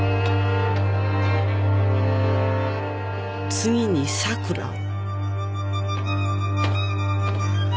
「次に桜を」